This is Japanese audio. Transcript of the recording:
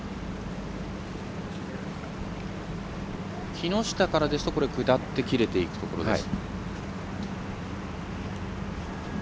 木下からですと下って切れていくところです。